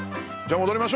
戻りましょう。